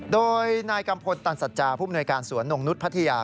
โดยนายกัมพลตันสัจจาผู้มนวยการสวนนงนุษย์พัทยา